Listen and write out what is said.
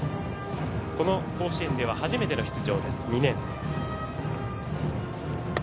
この甲子園では初めての出場、２年生。